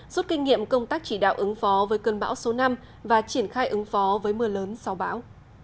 rút kinh nghiệm công tác chỉ đạo ứng phó với cơn bão số năm và triển khai ứng phó với mưa lớn sau bão